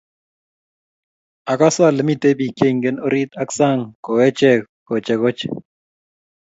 Akase ale mitei bik che ingen orit ak sang ko ache kochekoche